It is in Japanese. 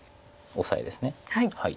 オサエですね。